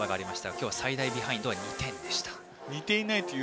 今日最大ビハインドは２点でした。